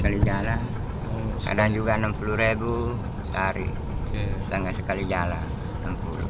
kali jalan kadang juga enam puluh sehari setengah sekali jalan tempur